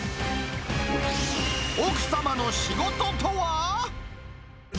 奥様の仕事とは？